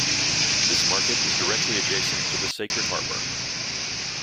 This market is directly adjacent to the Sacred Harbour.